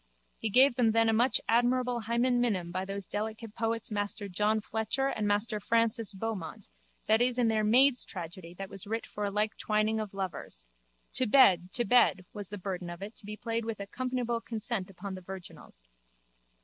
He gave them then a much admirable hymen minim by those delicate poets Master John Fletcher and Master Francis Beaumont that is in their Maid's Tragedy that was writ for a like twining of lovers: To bed, to bed was the burden of it to be played with accompanable concent upon the virginals.